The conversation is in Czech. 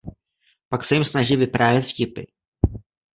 Pak se jim snaží vyprávět vtipy.